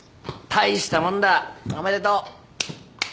大したもんだおめでとう！